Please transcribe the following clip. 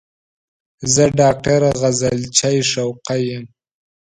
زه ډاکټر غزلچی شوقی یم